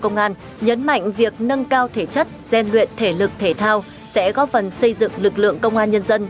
nhấn mạnh việc nâng cao thể chất gian luyện thể lực thể thao sẽ góp phần xây dựng lực lượng công an nhân dân